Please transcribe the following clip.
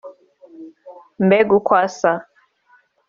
Mbega uko asa